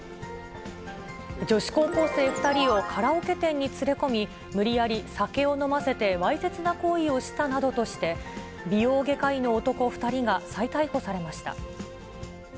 女子高校生２人をカラオケ店に連れ込み、無理やり酒を飲ませて、わいせつな行為をしたなどとして、美容外科医の男２人が再逮捕されました。